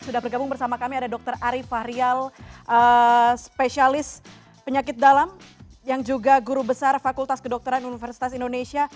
sudah bergabung bersama kami ada dr ari fahrial spesialis penyakit dalam yang juga guru besar fakultas kedokteran universitas indonesia